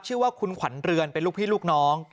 ชื่อว่าคุณขวัญเรือนเป็นลูกพี่ลูกน้อง